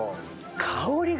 香りが。